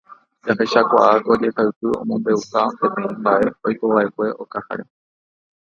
Jahechakuaa ko jehaipy omombe'uha peteĩ mba'e oikova'ekue okaháre